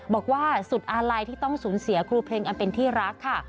บอกว่าสุดอาลัยที่ต้องสูญเสียครูเพลงอันเป็นที่รักค่ะ